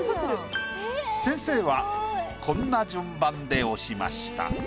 先生はこんな順番で押しました。